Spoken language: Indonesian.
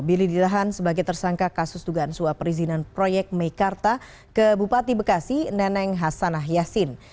billy ditahan sebagai tersangka kasus dugaan suap perizinan proyek meikarta ke bupati bekasi neneng hasanah yassin